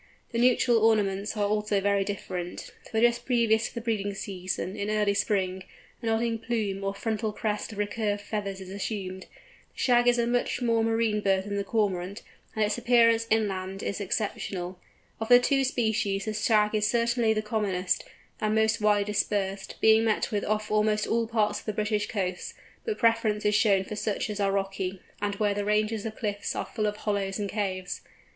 The nuptial ornaments are also very different, for just previous to the pairing season, in early spring, a nodding plume or frontal crest of recurved feathers is assumed. The Shag is a much more marine bird than the Cormorant, and its appearance inland is exceptional. Of the two species the Shag is certainly the commonest and most widely dispersed, being met with off almost all parts of the British coasts, but preference is shown for such as are rocky, and where the ranges of cliffs are full of hollows and caves.